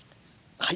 はい。